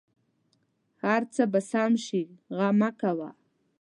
هر څه به سم شې غم مه کوه